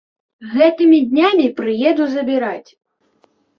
Гэтымі днямі прыеду забіраць.